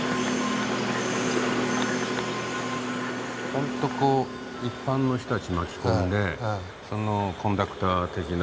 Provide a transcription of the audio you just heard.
ほんとこう一般の人たち巻き込んでそのコンダクター的な。